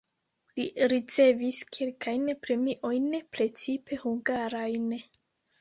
Li ricevis kelkajn premiojn (precipe hungarajn).